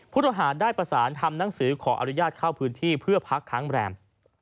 ทหารได้ประสานทำหนังสือขออนุญาตเข้าพื้นที่เพื่อพักค้างแรม